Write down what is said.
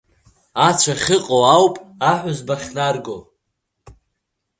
Ацә ахьыҟоу ауп аҳәызба ахьнарго.